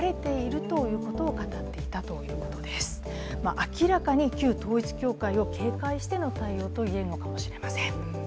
明らかに旧統一教会を警戒しての対応といえるのかもしれません。